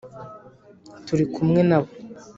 turi kumwe nabo